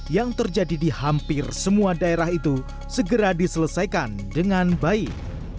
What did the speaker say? yang terjadi di hampir semua daerah itu segera diselesaikan dengan baik